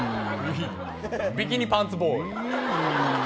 ビキニパンツボーイ。